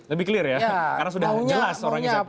lebih clear ya karena sudah jelas orangnya siapa